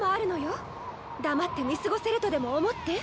黙って見過ごせるとでも思って？